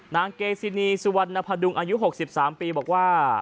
นางเกซินีสุวรรณพดุงอายุ๖๓ปีบอกว่า